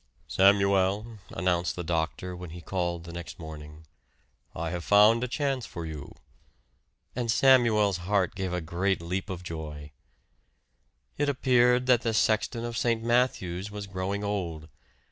"Samuel," announced the doctor when he called the next morning, "I have found a chance for you." And Samuel's heart gave a great leap of joy. It appeared that the sexton of St. Matthew's was growing old.